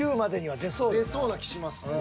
出そうな気します。